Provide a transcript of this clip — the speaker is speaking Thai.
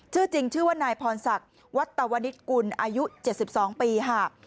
ชื่อจริงชื่อว่านายพรศักดิ์วัตวนิตกุลอายุ๗๒ปีค่ะ